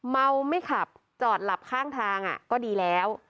เมาไม่ขับจอดหลับข้างทางก็ดีแล้ว